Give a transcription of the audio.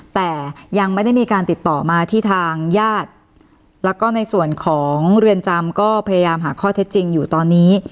แต่ยังไม่ได้มีการติดต่อมาที่ทางญาติแล้วก็ในส่วนของเรือนจำก็พยายามหาข้อเท็จจริงอยู่ตอนนี้